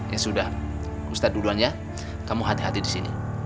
ya sudah ustadz duluan ya kamu hati hati disini